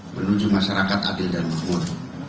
menuju masyarakat adil dan makmur